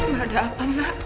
gak ada apa mbak